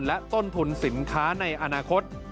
และต้นทุนสินค้าในอนาคต